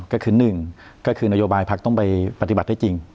ก็คือหนึ่งก็คือนโยบายพักต้องไปปฏิบัติได้จริง